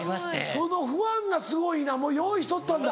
そのファンがすごいなもう用意しとったんだ。